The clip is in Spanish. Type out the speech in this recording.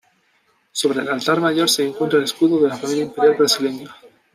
Sobre el altar mayor se encuentra el escudo de la Familia Imperial Brasileña.